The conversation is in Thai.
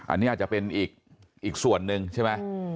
อันนี้อาจจะเป็นอีกส่วนหนึ่งใช่ไหม